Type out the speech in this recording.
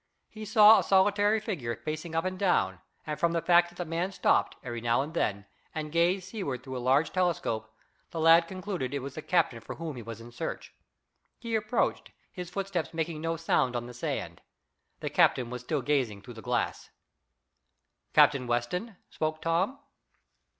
He saw a solitary figure pacing up and down, and from the fact that the man stopped, every now and then, and gazed seaward through a large telescope, the lad concluded it was the captain for whom he was in search. He approached, his footsteps making no sound on the sand. The man was still gazing through the glass. "Captain Weston?" spoke Tom.